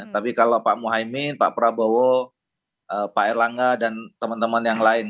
tapi kalau pak muhaymin pak prabowo pak erlangga dan teman teman yang lain